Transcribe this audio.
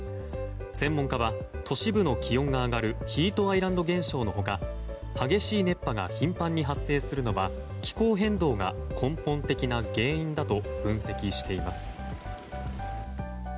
専門家は都市部の気温が上がるヒートアイランド現象の他激しい熱波が頻繁に発生するのは気候変動が根本的な原因だと分析しています。